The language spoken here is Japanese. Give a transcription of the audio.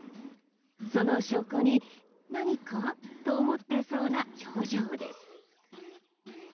その証拠に何か？と思っていそうな表情です。